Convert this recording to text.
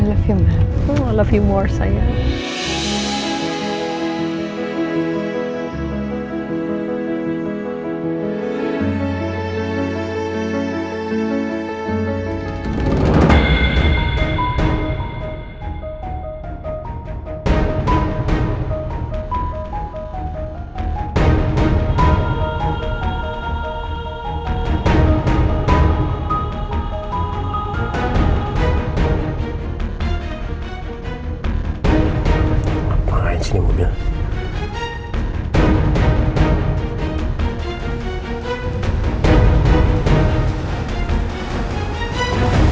aku cinta kamu aku cinta kamu lagi sayang